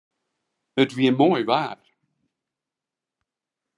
It wie moai waar.